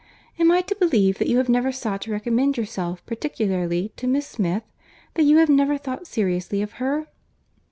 Am I to believe that you have never sought to recommend yourself particularly to Miss Smith?—that you have never thought seriously of her?"